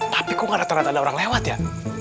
tapi kok nggak terlihat ada orang lewat ya